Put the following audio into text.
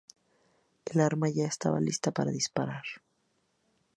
El arma ya estaba lista para disparar.